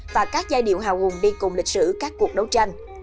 và các giai điệu hào hùng đi cùng lịch sử các cuộc đấu tranh